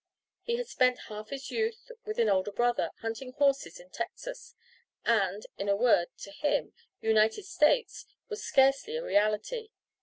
He had spent half his youth with an older brother, hunting horses in Texas; and, in a word, to him "United States" was scarcely a reality.